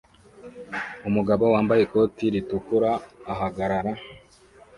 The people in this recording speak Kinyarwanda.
umugabo wambaye ikoti ritukura ahagarara